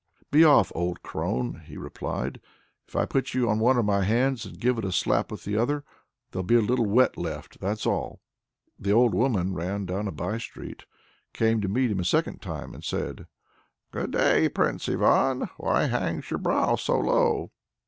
"Be off, old crone," he replied. "If I put you on one of my hands, and give it a slap with the other, there'll be a little wet left, that's all." The old woman ran down a by street, came to meet him a second time, and said: "Good day, Prince Ivan! why hangs your brow so low?"